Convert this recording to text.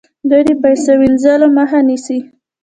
دوی د پیسو وینځلو مخه نیسي.